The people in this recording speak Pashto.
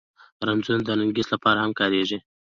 د رنځور نرګس لپاره هم کارېږي